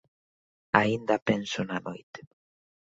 Aínda penso na noite